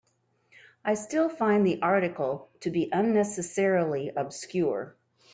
I still find the article to be unnecessarily obscure.